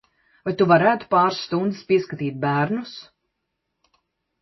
Vai tu varētu pāris stundas pieskatīt bērnus?